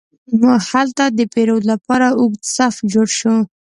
هلته د پیرود لپاره اوږد صف جوړ شو.